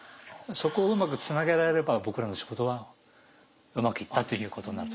そこをうまくつなげられれば僕らの仕事はうまくいったということになると。